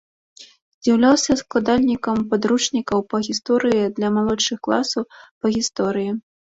З'яўляўся складальнікам падручнікаў па гісторыі для малодшых класаў па гісторыі.